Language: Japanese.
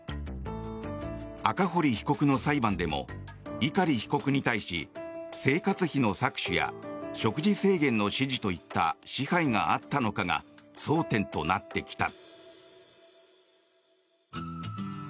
赤堀被告の裁判でも碇被告に対し生活費の搾取や食事制限の指示といった支配があったのかが争点となってきた。